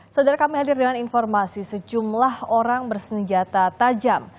saudara kami hadir dengan informasi sejumlah orang bersenjata tajam